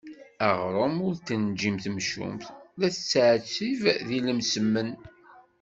Aɣrum ur t-tenǧim temcumt, la tettɛettib deg lemsemmen.